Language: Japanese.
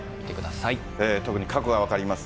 特に過去が分かります。